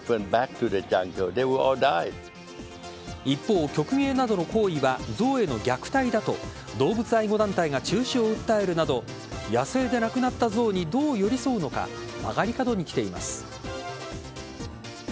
一方曲芸等の行為は象への虐待だと動物愛護団体が中止を訴えるなど野生でなくなった象にどう寄り添うのか曲がり角に来ています。